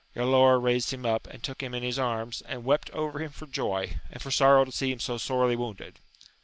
Galaor raised him up, and took him in his arms, and wept over him for joy, and for sorrow to see him so sorely wounded.